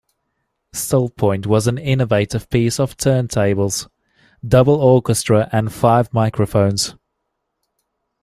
"Still Point" was an innovative piece for turntables, "double orchestra" and five microphones.